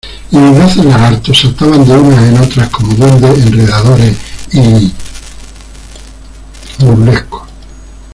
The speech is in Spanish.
y vivaces lagartos saltaban de unas en otras como duendes enredadores y burlescos.